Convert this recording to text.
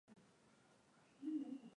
Kata vipande vidogo vidogo vya vitunguu